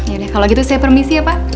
yaudah kalau gitu saya permisi ya pak